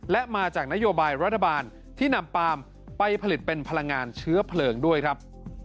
และมาจากนโยบายรัฐบาลที่นำปาล์มไปผลิตเป็นพลังงานเชื้อเพลิงด้วยครับ